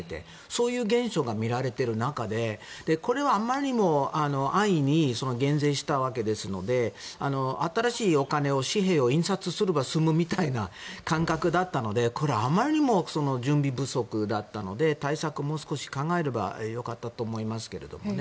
そういう現象が見られている中でこれはあまりにも安易に減税したわけですので新しいお金を、紙幣を印刷すれば済むみたいな感覚だったのでこれはあまりにも準備不足だったので対策もう少し考えればよかったと思いますけど。